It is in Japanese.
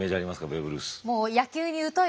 ベーブ・ルース。